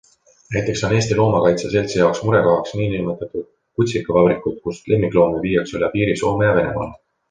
Näiteks on Eesti Loomakaitse Seltsi jaoks murekohaks nn kutsikavabrikud, kust lemmikloomi viiakse üle piiri Soome ja Venemaale.